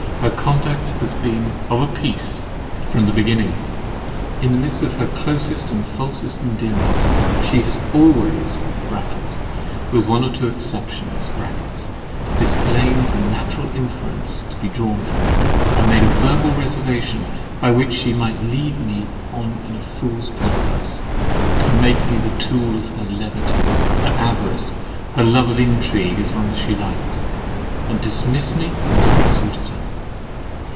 Her conduct has been of a piece from the beginning. In the midst of her closest and falsest endearments, she has always (with one or two exceptions) disclaimed the natural inference to be drawn from them, and made a verbal reservation, by which she might lead me on in a Fool's Paradise, and make me the tool of her levity, her avarice, and her love of intrigue as long as she liked, and dismiss me whenever it suited her.